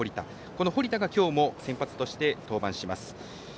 この堀田が今日も先発として登板します。